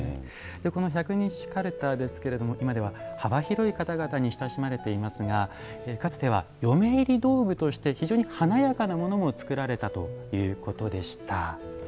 この百人一首かるたですけれども今では幅広い方々に親しまれていますがかつては、嫁入り道具として非常に華やかなものも作られたということでした。